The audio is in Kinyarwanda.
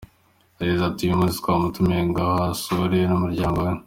Yagize ati “Uyu munsi twamutumiye ngo ahasure n’umuryango we.